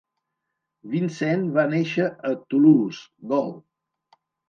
Vincent va néixer a Toulouse, Gaul.